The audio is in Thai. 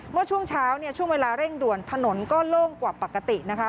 เมื่อช่วงเช้าเนี่ยช่วงเวลาเร่งด่วนถนนก็โล่งกว่าปกตินะคะ